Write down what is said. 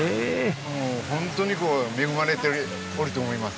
もうホントに恵まれておると思います。